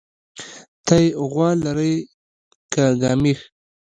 تى غوا لرى كه ګامېښې؟